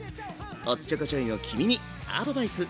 おっちょこちょいの君にアドバイス。